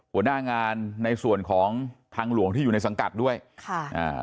หัวหน้างานในส่วนของทางหลวงที่อยู่ในสังกัดด้วยค่ะอ่า